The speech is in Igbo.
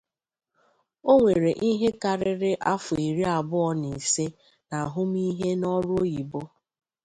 O nwere ihe karịrị afọ iri abụọ na ise na ahụmịhe na ọrụ oyibo.